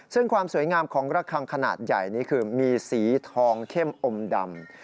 ซึ่งความสวยงามของระคังขนาดใหญ่นี้คือมีสีทองเข้มอมดำ